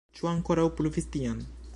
Ĉu ankoraŭ pluvis tiam?